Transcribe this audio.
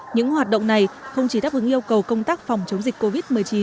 những hoạt động này không chỉ đáp ứng yêu cầu công tác phòng chống dịch covid một mươi chín